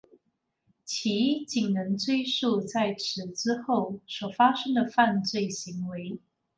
其仅能追诉在此之后所发生的犯罪行为。